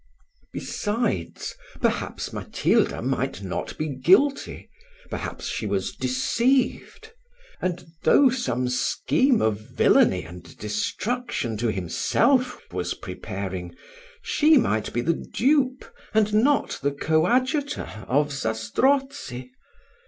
Besides, perhaps Matilda might not be guilty perhaps she was deceived; and though some scheme of villany and destruction to himself was preparing, she might be the dupe, and not the coadjutor, of Zastrozzi.